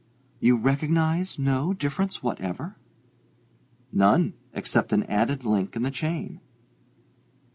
"You recognize no difference whatever?" "None except an added link in the chain."